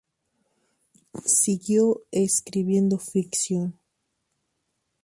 Siguió escribiendo ficción.